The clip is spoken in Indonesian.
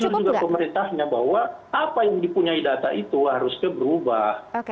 jujur juga pemerintahnya bahwa apa yang dipunyai data itu harusnya berubah